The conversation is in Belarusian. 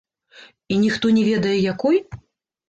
І ніхто не ведае, якой?